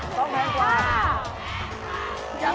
ต้องแพงกว่า๕อันนั้นค่ะ